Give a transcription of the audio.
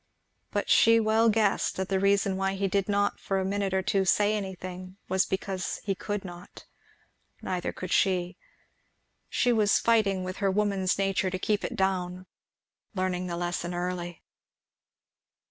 But she well guessed that the reason why he did not for a minute or two say anything, was because he could not. Neither could she. She was fighting with her woman's nature to keep it down, learning the lesson early!